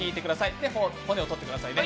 それで骨をとってくださいね。